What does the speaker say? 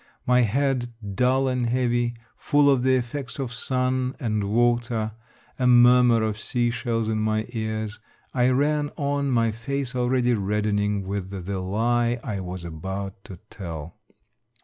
My head dull and heavy, full of the effects of sun and water, a murmur of sea shells in my ears, I ran on, my face already reddening with the lie I was about to tell.